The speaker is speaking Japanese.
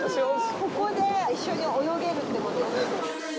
ここで一緒に泳げるってこと？